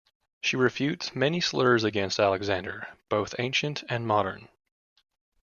She refutes many slurs against Alexander, both ancient and modern.